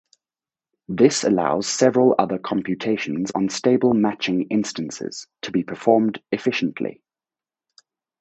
This allows several other computations on stable matching instances to be performed efficiently.